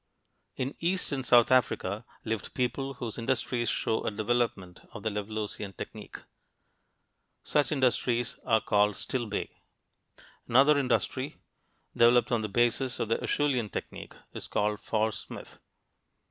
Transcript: In east and south Africa lived people whose industries show a development of the Levalloisian technique. Such industries are called Stillbay. Another industry, developed on the basis of the Acheulean technique, is called Fauresmith.